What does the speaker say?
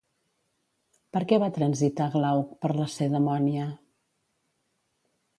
Per què va transitar Glauc per Lacedemònia?